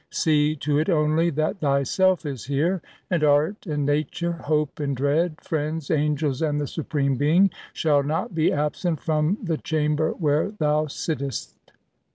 See to it only that thyself is here ; and art and nature, hope.and dread, friends, angels, and the Supreme Being, shall not be absent ftom the chamber where thou sittest."